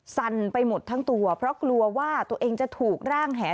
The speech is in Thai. สั่นไปหมดทั้งตัวเพราะกลัวว่าตัวเองจะถูกร่างแห